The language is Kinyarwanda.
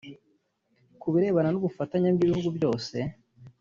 Ku birebana n’ ubufatanye bw’ibihugu byose